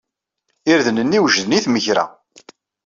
Irden-nni wejden i tmegra.